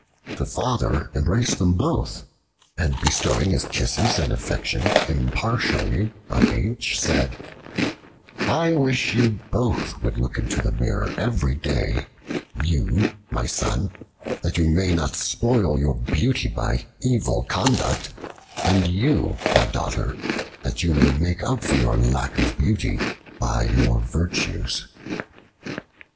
The father embraced them both, and bestowing his kisses and affection impartially on each, said, "I wish you both would look into the mirror every day: you, my son, that you may not spoil your beauty by evil conduct; and you, my daughter, that you may make up for your lack of beauty by your virtues."